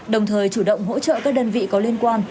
đồng thời chủ động hỗ trợ các đơn vị có liên quan